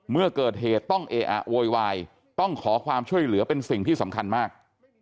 เมื่อเกิดเหตุต้องเออะโวยวายต้องขอความช่วยเหลือเป็นสิ่งที่สำคัญมาก